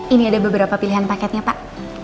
ini ada beberapa pilihan paketnya pak